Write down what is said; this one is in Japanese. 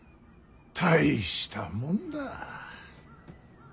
大したもんだ。